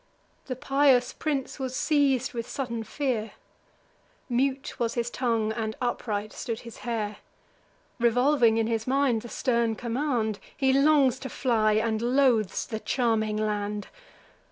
The pious prince was seiz'd with sudden fear; Mute was his tongue, and upright stood his hair. Revolving in his mind the stern command, He longs to fly, and loathes the charming land.